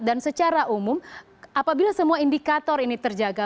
dan secara umum apabila semua indikator ini terjaga